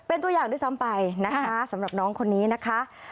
เป็นตัวอย่างด้วยซ้ำไปนะคะสำหรับน้องคนนี้นะคะ